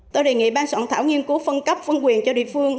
tôi đề nghị bang soạn thảo nghiên cứu phân cấp phân quyền cho địa phương